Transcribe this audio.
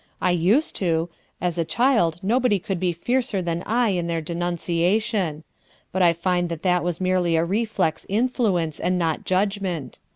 I used to. M a chiM nobody could be fiercer than I in their denunciation; but I find that that was merely a tcHcx influence, and not judgment.